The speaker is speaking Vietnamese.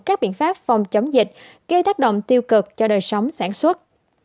các biện pháp phòng chống dịch gây tác động tiêu cực cho đời sống sản xuất